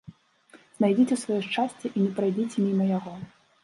Знайдзіце сваё шчасце і не прайдзіце міма яго.